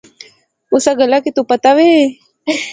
اسے گلاہ کہ تو پتہ وہے